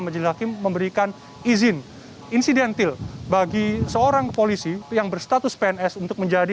majelis hakim memberikan izin insidentil bagi seorang polisi yang berstatus pns untuk menjadi